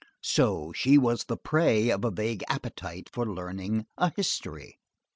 So she was the prey of a vague appetite for learning a history.